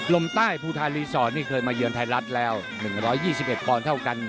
รมใต้พูทารีสอร์ทนี่เคยมาเยือนไทยรัฐแล้วหนึ่งร้อยยี่สิบเอ็ดพรเท่ากัน